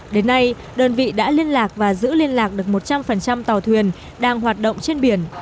đến nay đơn vị đã liên lạc và giữ liên lạc được một trăm linh tàu thuyền đang hoạt động trên biển